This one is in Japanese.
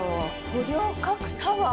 五稜郭タワー